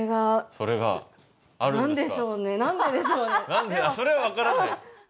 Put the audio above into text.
それは分からない？